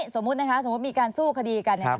สมมุตินะฉะโมทมีการสู้คดีกัน